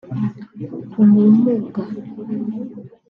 ubumuga